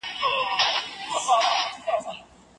رحیم دروازه ماته کړې وه.